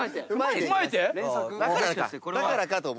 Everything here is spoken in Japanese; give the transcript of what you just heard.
だからかと思って。